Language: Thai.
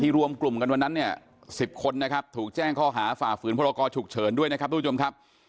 รวมกลุ่มกันวันนั้นเนี่ย๑๐คนนะครับถูกแจ้งข้อหาฝ่าฝืนพรกรฉุกเฉินด้วยนะครับทุกผู้ชมครับ